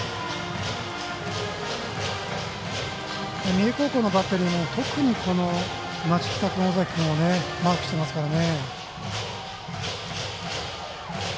三重高校のバッテリーも特に町北君、尾崎君をマークしてますからね。